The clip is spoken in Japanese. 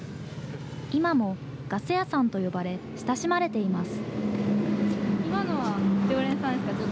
今もガス屋さんと呼ばれ、親しまれています。